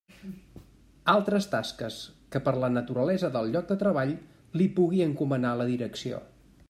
Altres tasques que per la naturalesa del lloc de treball li pugui encomanar la Direcció.